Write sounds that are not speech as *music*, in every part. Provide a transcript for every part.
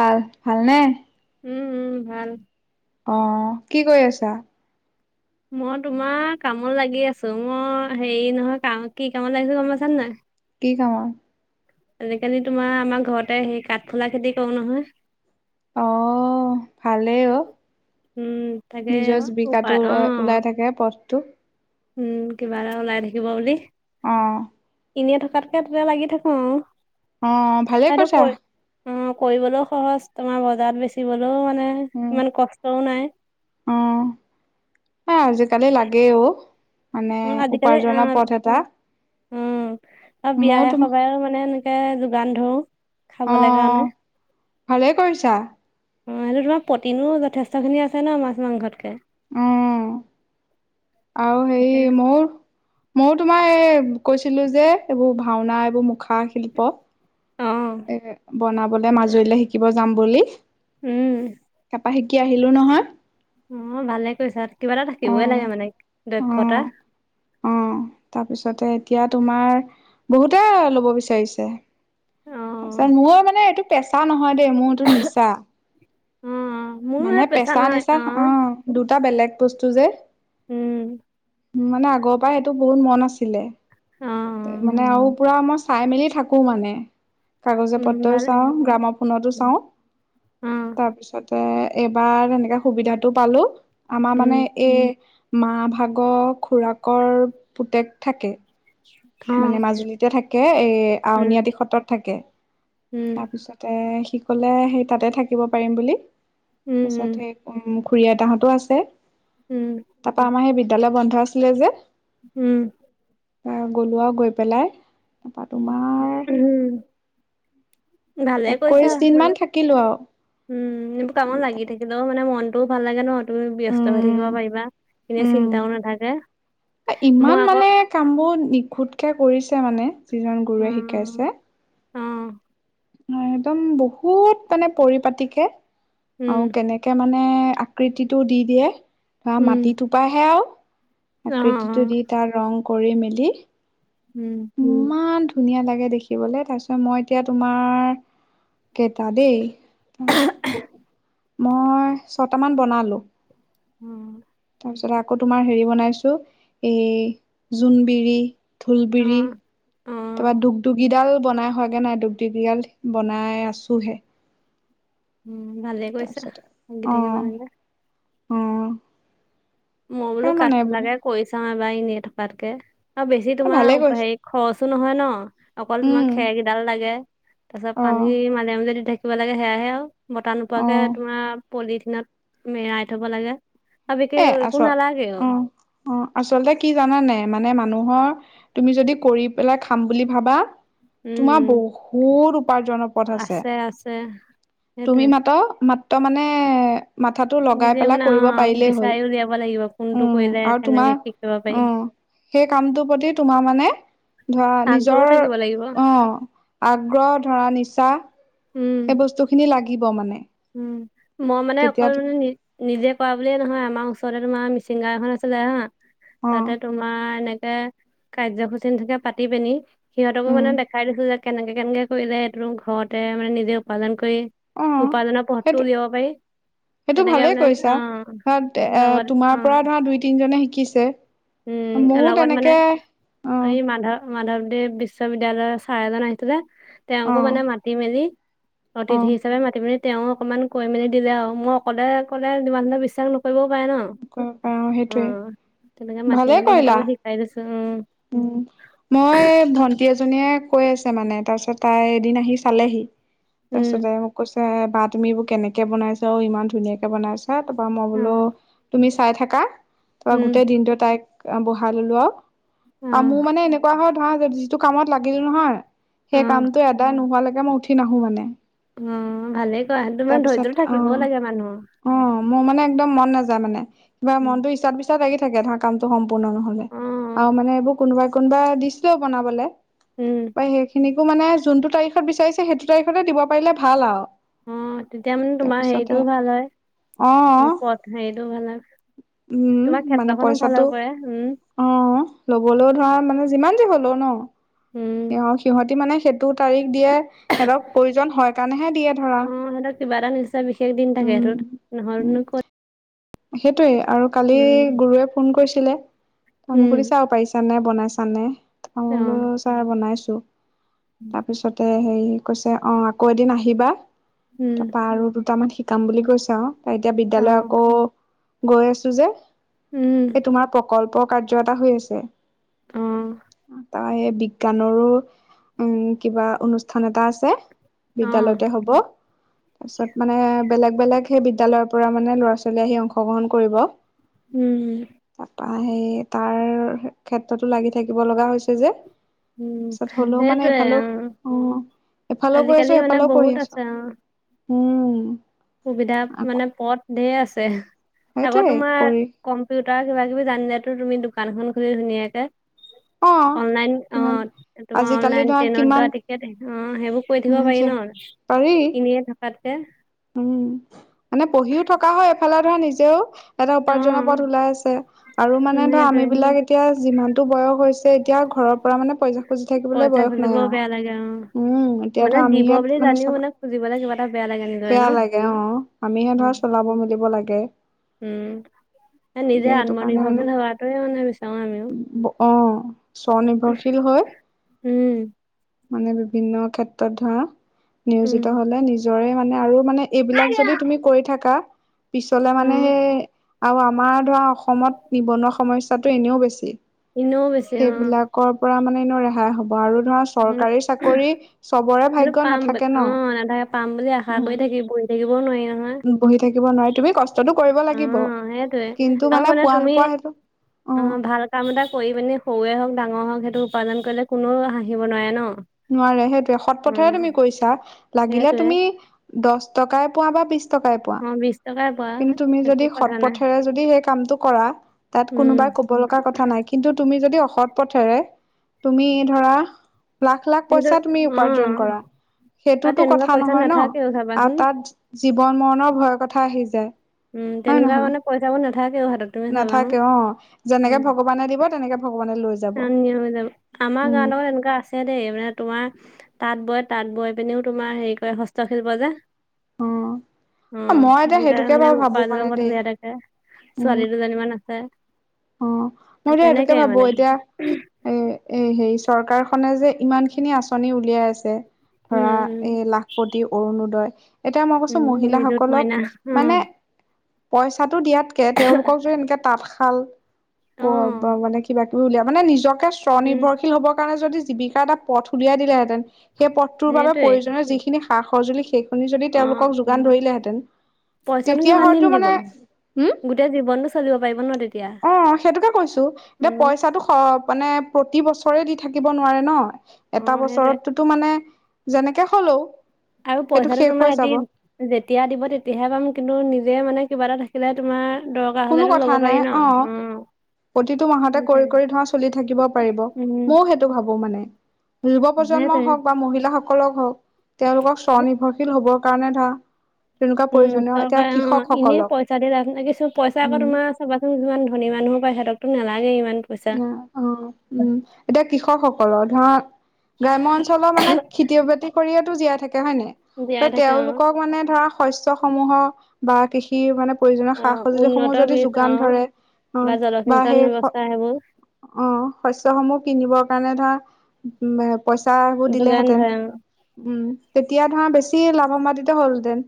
ভাল ভালনে উম উম ভাল অ কি কৰি আছা? মই তোমাৰ কামত লাগি আছোঁ। মই হেৰি নহয় কাম কি কামত লাগিছো গম পাইছান নাই। ন *unintelligible* আজিকালি তোমাৰ আমাৰ ঘৰতে সেই কাঠফুলা খেতি কৰো নহয়। আহ ভালেই অ উম তাকে নিজৰ জীৱিকাটো উপায় অ ওলাই থাকে পথটো উম কিবা এটা ওলাই থাকিব বুলি। অহ এনেই থকাতকে তাতে লাগি থাকো আও। অহ ভালে কৈছা। অ কৰিবলৈও সহজ তোমাৰ বজাৰত বেচিবলৈও মানে উম ইমান কষ্ট নে অ এ আজিকালি লাগে অ মানে অ আজিকালি অ উপাৰ্জনৰ পথ এটা উম ময়ো বিয়াহে তোমাক সভাহে আৰু মানে *unintelligible* কে যোগান ধৰো। অ খাবলে কাৰণে ভালে কৰিছাঁ। অ সেইটো তোমাৰ প্ৰটিনো যথেষ্টখিনি আছে ন মাছ মাংসতকে উম আৰু সেই তাকে মোও মইও তোমাক এই কৈছিলো যে ভাওনা এইবোৰ মুখা *unintelligible* অ এ বনাবলে মাজুলীলৈ শিকিব যাম বুলি। উম কি আহিলো নহয়। অ ভালে কৰিছা কিবা এটা অ থাকিবই লাগে মানে অ দক্ষতা অ তাৰপিছতে এতিয়া তোমাৰ বহুতে ল'ব বিচাৰিছে। অ তাপিছত মই মানে এইটো পেছা নহয়। দে মোৰটো নিচা। অ মোৰো মানে সেই পেছা পেচা নহয় নিচা অ দুটা বেলেগ। বস্তু যে। উম। উ মানে আগৰ পৰাই সেইটো বহুত মন আছিলে। অ অ মানে আৰু পুৰা আমছ চাই মেলি থাকো মানে। কাগজে উম পত্ৰই ভালে চাওঁ, গ্ৰামফোনতো অ চাওঁ। তাৰপিছতে এবাৰ তেনেকা সুবিধাতটো পালো। আমাৰ উম মানে এই মাৰ ভাগৰ খুৰাকৰ পুতেক থাকে। অ মানে মাজুলীতে থাকেএই উম আউনীআটি সত্ৰত থাকে। উম তাৰপিছতে সি ক'লে সেই তাতে থাকিব পাৰিম বুলি। তাৰপিছত উম সেই কৰিম খুড়ী আইতাহতো আছে। উম তাপৰা আমাৰ সেই বিদ্যালয় বন্ধ আছিলে যে। উম। এ গলো আৰু গৈ পেলাই তাৰপা উম তোমাৰ উম ভালে কৈছা একৈশ দিন আৰু। মান থাকিলো আৰু উম এইবোৰ কি কামত লাগি থাকিলেও মানে মনটোও ভাল লাগে ন। তুমি ব্যস্ত হৈ থাকিব উম পাৰিবা। এনে উম চিন্তাও নাথাকে। মই ইমান আকৌ মানে কামবোৰ নিখুঁতকে কৰিছে মানে। যিজন গুৰুৱে শিকাইছে উম। অ একদম বহুত মানে পৰিপাটিকে, উম আৰু কেনেকে মানে মে আকৃতিটো দি দিয়ে, ধৰা উম মাটি থোপাইহে আৰু। অ অ আকৃতিটো দি তাৰ ৰং কৰি মেলি। উম ইমান ধুনীয়া লাগে দেখিবলে। তাৰপিছত মই এতিয়া তোমাৰ, কেইটা দেই মই ছটামান বনালো। উম। তাৰ পিছতে তোমাৰ হেৰি বনাইছো, হেই, জোনবিৰি ঢোলবিৰি অ। তাৰপৰা দুগ দুুগিডাল বনাই হোৱাগে নাই। দুগ দুগিডাল বনাই আছোহে। উম, ভালে কৰিছা তাৰপিছতে লাগি অ, থাকিব লাগে। অ। মই বোলো কাট মানে বোলো লাগে কৈছাও এবাৰ এনে থকাতকে। আৰু বেছি তোমাৰ ভালে কৈছে হেৰি খৰচো নহয় ন, অকল তোমাৰ উম খেৰকেইডাল লাগে। তাৰ পিছত অ পানীৰ মাজে মাজে দি থাকিব লাগে। সেয়াহে আৰু বতাহ অ নোপোৱাকে তোমাৰ পলিথিনত, মেৰাই থব লাগে আৰু এ বিশেষ আচ একো নালাগেও। অ অ আচলতে কি জানানে মানে মানুহৰ, তুমি যদি কৰি পেলাই খাম বুলি ভাবা। তোমাৰ উম। বহুত উপাৰ্জনৰ পথ আছে, তুমি সেইটোয়ে মাতা মাত ত মানে মাথা টো লগাই দিলে পেলাই মানে কৰিব অ' পাৰি। হল, বিচাৰি উলিয়াব লাগিব কোনটো উম কৰিলে আৰু কেনেকে তোমাৰ কি কৰিব পাৰি উ। সেই কামটোৰ প্ৰতি তোমাৰ মানে ধৰা আগ্ৰহো নিজৰ, থাকিব লাগিব অহ, আগ্ৰহ ধৰা নিচা। সেই বস্তু খিনি লাগিব মানে। উ মই মানে তেতিয়া অকল মানে নি নিজে কৰা বুলিয়ে নহয় আমাৰ আচলতে তোমাৰ মিচিংগা এখন আছিলে হা। অ তাতে তোমাৰ এনে কাৰ্যসূচী *unintelligible* পাতি পিনি সিহঁতকো উম মানে দেখাই দিছো যে কেনেকে-কেনেকে কৰি যায় এইটো ঘৰতে মানে নিজে উপাৰ্জন কৰি অ উপাজনৰ পথটো সেইটো উলিয়াব পাৰি। সেইটো তেনেকে ভালেই মানে অ কৰিছা, ধৰা এ লগত অ তোমাৰ পৰা ধৰা দুই, তিনজনে শিকিছে। উম ময়ো লগত মানে তেনেকে, এই আহ। মাধৱ মাধৱদেৱ বিশ্ববিদ্যয়ালয়ৰ ছাৰ এজন আহিছিলে, অ তেওঁকো মানে মাতি মেলি। অ অতিথি হিচাপে মাতি পি। তেওঁ অকণমান কৈ মেলি দিলে আৰু মই অকলে ক'লে তমান ধলে বিশ্বাস নকৰিব। পাই ন, কৰিব পাৰা অ, সেইটোৱে তেনেকে মাতি ভালে মেলি কৰিলা সিহঁতকো শিকাই দিছো। উম মই ভন্টি এজনীয়ে। কৈ আছে মানে তাৰপিছত তাই এদিন আহি চালেহি, তাৰ উম পিছতে তাই মোক কৈছে। বা তুমি এইবোৰ কেনেকে বনাইছা আৰু ইমান ধুনীয়াকে বনাইছা তাৰপৰা মই উম বোলো তুমি। চাই থাককা তাৰপৰা উম গোটেই দিনটো তাইক, বহাই ললো আৰু, আৰু উম মোৰ মানে এনেকুৱা হ। নহয় যিটো কামত লাগিলো নহয়, অ অ সেই কামটো এদাই নোহোৱালৈকে মই উঠি নাহো মানে। উম ভালে ক সি তো মমান তাৰপিছত ধৰিত অ থাকিবও লাগে মানুহ। অ মোৰ মানে একদম মন নাযায় মানে, কিবা উম মনটো ইছাৰ বিচাৰ লাগি থাকে ধাৰ কামটো সম্পৰ্। সম্পোৰ্ণ নহলে, অ আৰু মানে এইবোৰ কোনোবাই কোনোবাই দিছিলেও বনাবলে উম সেইখিনিক। মানে যোনতটো তাৰিখত বিচাৰিছে সেইটো তাৰিখতে দিব পাৰিলে ভাল আৰু। অ তেতিয়া মানে তোমাৰ তাৰপিছতে হেৰিটোও ভাল হয়, অ পথ হেৰিটোও ভাল হয়। উম তোমাৰ মানে ক্ষেত্ৰখনো ভাল পইচাটো, হ'ব পাৰে উম অ লবলৈও। ৰা মানে যিমান দে হলো ন, উম সিহ সিহঁতি মানে। টো তাৰিখ দিয়ে, সিহঁতক প্ৰয়োজন হয় কাৰণেহে দিয়ে ধৰা। কিবাটা নিচা বিশেষ দিন থাকে উম সেইটোত আৰু নহন উম ক। সেইটোৱে আৰু কালি গুৰুৱে ফোন কৰিছিলে, তমোক উম সুধি চাও পাৰিছ নে। বনায়ছনে তা অ বুলো চাৰ বনাইছো তাপিছতে। হেৰি কৈছে অঁ আকৌ এদিন আহিবা উম তাৰপৰা আৰু দুটামান শিকাম বুলি কৈছে আৰু এতিয়া অ বিদ্যালয় আকৌ গৈ আছোঁ যে উম এই তোমাৰ প্ৰকল্প। কাৰ্য এটা হৈ আছে অ তা হেই। বিজ্ঞানৰো উম কিবা অনুষ্ঠান এটা আছে। অ বিদ্যালয়তে হব। তাৰপিছত মানে বেলেগ বেলেগ সেই বিদ্যালয়ৰ পৰা মানে ল'ৰা ছোৱালী আহি অংশগ্ৰহণ কৰিব। উম হম। ত সেই তাৰ ক্ষেত্ৰতো লাগি থাকিব লগা হৈছে যে। তাৰ উম পিছত হ'লেও মানে সেইটোৱে এইফালেও উম অ। এফালেও কৰি আজিকালি আছো মানে হেফালেও কৰি বহুত আছে আছো অ উম। সুবিধা আকৌ মানে পথ ধে আছে আগৌ সেইটোৱে তোমাৰ কৰি কম্পিউ। তাৰ কিবা কিবি জানিলেতো তুমি দোকানখন খুলি ধুনীয়াকে। অ অনলাইন অ কিমান তোমাৰ আজিকালি অনলাইন ধৰা ট্ৰেইনত কিমান দুৱা টিকেট। অ সেইবোৰ কৰি থাকিব উম পাৰি সেই ন পাৰি ইনেয়ে থকাতকে। উম মানে পঢ়িও থকা হয় এফালে ধৰা নিজেও। এটা অ উপাৰ্জনৰ পথ ওলাই আছে আৰু মানে উম ধৰ আম সেইটোৱে বিলাক এতিয়া যিমানতটো বয়স হৈছে। এতিয়া ঘৰৰ পৰা মানে পইচা খুজি থাকিবলৈ পইচা বয়স নাই খুজিবও আৰু বেয়া লাগে উম এতিয়া ধৰ আমিহে। জানি মানে খুজিবলৈ কিবাটা বেয়ালাগে। বেয়া লাগে অ আমিহে ধৰা চলাব মেলিব লাগে। উম নিজে গতিকে সেইটো কাৰণে মানে আত্মনিৰ্ভৰশে হোৱাটোৱে মানে বিচাৰো আমিও। অ স্বনিৰ্ভৰশীল হয়। উম, মানে বিভিন্ন ক্ষেত্ৰত ধৰা উম, নিয়োজিত হলে নিজৰে মানে আৰু। মানে এইবিলাক যদি অ', তুমি কৰি থকা পিছ মানে আৰু আমাৰ ধৰা অসমত নিবনুৱা সমস্যাটো এনেও বেছি এনেও বেছি অ', সেইবিলাকৰ পৰা মানে। এনেও ৰেহাই হ'ব। আৰু ধৰা উম। চৰকাৰী চাকৰি চবৰে সেইটো ভাগ্য় পাম ব- নাথাকে ন অ', নাথাকে পাম বুলি আশা উ। কৰি থাকি বহি থাকিবও নোৱাৰি নহয়। বহি থাকিব নোৱাৰি তুমি কষ্টতটো কৰিব লাগিব অ', সেইটোয়ে কিন্তু আৰু মানে পোৱা। তুমি নপোৱা সেইটো অ ভাল কাম এটা কৰি পিনি সৰুৱে হওক ডাঙৰ হওক সেইটো উপাৰ্জন কৰিলে কোননেও হাঁহিব নোৱাৰে ন। নোৱাৰে সেইটোয়ে সৎ উম, পথেৰে তুমি কৈছা লাগিলে সেইটোয়ে তুমি দশ টকাই পোৱা বা বিশ। টকাই পোৱা। অ', বিশ টকাই পোৱা কিন্তু তুমি একো যদি সৎ কথা নাই পথেৰে যদি সেই কামটো কৰা তাত উম। কোনোবাই কব লগা কথা নাই কি। কিন্তু তুমি যদি অসৎ পথেৰে তুমি ধৰা। লাখ লাখ সেইটো পইচা তুমি উপাৰ্জন অ', কৰা। আৰু সেইটোতো তেনেকুৱা কথা পইচা নহয় ন নাথাকেও আৰু চাবাচোন। তাত জীৱন মৰণৰ ভয় কথা আহিছে। উম তেনেকুৱা মানে পইচাও নাথ। নাথাকে অ যেনেকে উম। ভগৱানে দিব তেনেকে ভগৱানে লৈ য। হৈ যাব আমাৰ গাৱত আকো এনেকুৱা আছে দেই মানে তোমাৰ। তাঁত বয় তাঁত বৈ পিনিও তোমাৰ হেৰি কৰে হস্তশিল্প যে। অ মই এতিয়া তেনেকে সেইটোকে মানে বাৰু ভাবো মানে উপাৰ্জনৰ পথ দেই উলিয়াই থাকে। উম ছোৱালী দুজনীমান আছে। অ মই এতিয়া সেইটোকে তেনেকে ভাবো মানে এতিয়া। এ এ হেৰি চৰকাৰখনে যে ইমান খিনি আঁচনি উলিয়াই আছে। উম ধৰা এই লাখপতি অৰুণোদয়। এতিয়া মই কৈছো উম উম নিযুত মহিলাসকলক মইনা অ মানে। পইচাটো দিয়াতকে তেওঁলোকক যদি এনেকে তাঁতশাল প অ ব মানে কিবা। উলিয়া মানে নিজকে স্ব উম নিৰ্ভৰশল হ'বৰ কাৰণে য জীৱিকাৰ এটা পথ উলিয়াই দিলেঁতেন। সেই পথটোৰ বাবে সেইটোৱে প্ৰয়োজনীয় যিখিনি সা সজুলি সেইখিনি যদি তেওঁওলোকক যোগান ধৰিলেহেঁতেন। পইচা তেতিয়া কিমান দিন হয়তো দিব মানে হম গোটেই জীৱনতটো চলিব পাৰিব ন তেতিয়া। অ সেইটোকে কৈছো দে উম পইচাটো স মানে প্ৰতি বছৰে দি থাকিব নোৱাৰে ন। অ এটা সেইটোৱে বছৰতোতো মানে যেনেকে হলেও। আৰু সেইটো পইচাটো শেষ তোমাৰ হৈ সিতি যাব যেতিয়া দিব তেতিয়াহে পাম কিন্তু নিজে মানে। কিবা এটা থাকিলে তোমাৰ দৰকাৰ কোনো হলেতো কথা ল'ব নাই পাৰি ন অ উ। প্ৰতিটো মাহতে কৰি কৰি ধৰা চলি থাকিব পাৰিব উম ময়ও সেইটো ভাবো মানে। যুৱ প্ৰজন্মই সেইটোৱে হওক বা মহিলাসকলক হওক তেওঁলোকক স্ব নিৰ্ভৰশীল হব। কাৰণে ধৰা। তেনেকুৱা উম প্ৰয়োজনীয় এতিয়া চৰকাৰে অ এনে কৃষকসকলক পইচা দে কিছু পইচা। আকৌ উম তোমাৰ চাবাচোন যিমান ধনী মানুহো প সিহঁকতো নালাগে ই। উ অ উম এতিয়া কৃষক সকলৰ ধৰা। গ্ৰাম্য অঞ্চলৰ মানে খেতি বাতি কৰিয়েই জীয়াই থাকে। হয়নে ত জীয়াই থাকে অ তেওঁলোকক মানে ধৰা শস্যৰ সমূহ বা কৃষি মানে। প্ৰয়োজনীয় অ সা উন্নত সজুলিসমূহ যদি বীজ অ যোগান ধৰে অ বা জলসিঞ্চন সেই। ব্যৱস্থা সেইবোৰ অ শস্যসমূহ কিনিবৰ কাৰণে ধৰা। পইচাাবোৰ যোগান দিলেহেঁতেন ধৰে অ উম তেতিয়া ধৰা বেছি লাভিত হ'লহেঁতেন।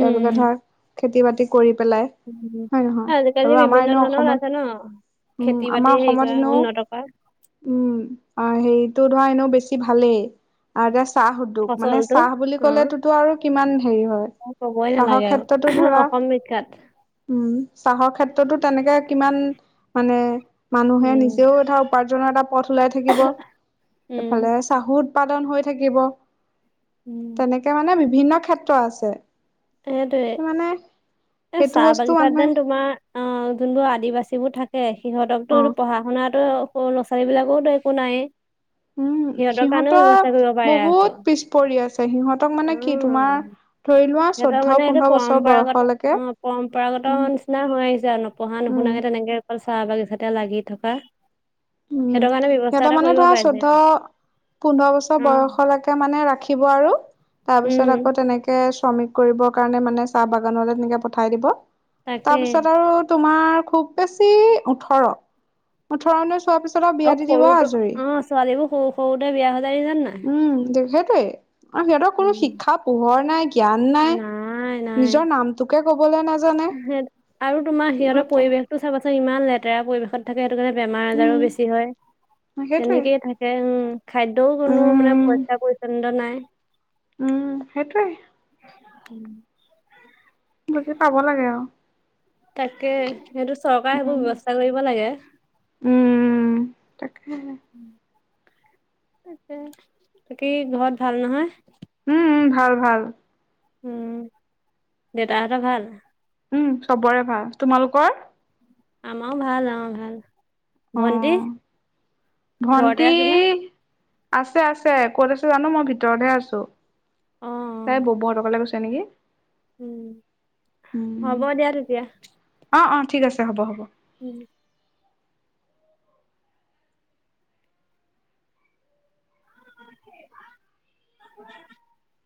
তেওঁলোকে ধৰক খেতি বাতি কৰি। পেলাই উম। হয়ে নহয় আজিকালি আৰু আমাৰ বিভিন্ন এনে ধৰণৰ অসমত ওলাইছে ন খেতি উম। বাতি আমাৰ হেৰি অসমত কৰা এনেও উন্নত কৰা উম হেৰিতটো ধৰা এনেও বেছি ভালেই। আৰু এতিয়া চাহ উদ্যোগ মানে ফচলটো চাহ বুলি অ ক'লে তোতো আৰু কিমান। হেৰি হয় ক'বই চাহৰ নালাগে আৰু ক্ষেত্ৰতো ধৰা অসম বিখ্যাত উম। চাহৰ ক্ষেত্ৰতো তেনেকে কিমান মানে মানুহে উম। নিজেও এটা উপাৰ্জনৰ এটা পথ ওলাই থাকিব উম এইফালে চাহু উৎপাদন হৈ থাকিব। উম তেনেকে মানে বিভিন্ন ক্ষেত্ৰ আছে। সেইটোৱে মানে এ সেইটো চাহ বস্তু বাগিচাত মানুহে যেন তোমাৰ। অ যোনবোৰ আদিবাসী বোৰ থাকে সিহঁতকতো অ পঢ়া শুনাত। সৰু লৰা' ছোৱালী বিলাকোতো একো নাই। উম সিহঁতৰ পাৰে আকৌ। বহুত পিছ পৰি আছে সিহঁতক অ মানে কি তোমাৰ। থ। সিহঁতৰ মানে সেইটো পৰম্পৰাগত অ পৰম্পৰাগত উম নিচিনা হৈ আহিছে আৰু নপঢ়া নুশুনাকে। তেনেকে অকল চাহ বাগিছাতে লাগি থকা। উম সেইটো কাৰণে ব্যৱস্থা সিহঁতৰ এটা মানে কৰিব ধৰা পাৰিলে চৈধ। পোন্ধৰ বছৰ অ বয়সলৈকে মানে ৰাখিব আৰু তাৰ উম পিছত আকৌ তেনেকে শ্ৰমিক কৰিবৰ কাৰণে মানে চাহ বাগানতে তেনেকে পঠাই দিব। তাকে তাৰপিছত আৰু তোমাৰ খুব বেছি ওঠৰ ওঠৰ চোৱাৰ পিছত। বিয়া আৰু দি দিব সৰুটো আজৰি অ ছোৱালীবোৰ সৰু সৰুতে বিয়া হৈ যায় দেখিছানে নাই? উম দে আৰু সিহঁতৰ কোনো উম, শিক্ষা পোহৰ নাই। জ্ঞান নাই নিজৰ নামটোকে কবলৈ নাাজ *unintelligible* সহ আৰু তোমাৰ সিহঁতৰ পৰিবেশ টো চাবাচোন ইমান লেতেৰা পৰিবেশত থাকে। সেইটো কাৰণে বেমাৰ আজাৰো উম বেছি হয় সেইটোৱে তেনেকেইে থাকে উম। খাদ্যও কোনো মানে উম পইচা পৰিচ্ছন্ন নাই। উম সেইটোৱে। উম। বুজি পাব লাগে আৰু তাকে সটো চৰকাৰে সেইবোৰ উম ব্য্ৱস্থা কৰিব লাগে। উম তাকে ত তাকি ঘৰত ভাল নহয়। উম উ ভাল ভাল। উম দেতাহটা ভাল। উম চবৰে ভাল তোমালোকৰ। আমাৰও ভাল আমাৰ ভাল। ভন্টি অহ ঘৰতে ভন্টি। আছে নে? আছে আছে ক'ত আছে জানো মই ভিতৰতে আছো, অ' তাই বব হেটৰ ঘৰলে গৈছি নেকি? উম উম হ'ব দিয়া তেতিয়া। অ অ ঠিক আছে হ'ব হ'ব। উম *unintelligible*